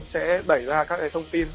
sẽ đẩy ra các cái thông tin